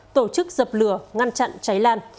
tổ chức dập lửa ngăn chặn cháy lan